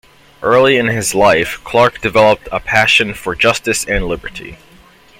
Early in his life, Clark developed a passion for justice and liberty.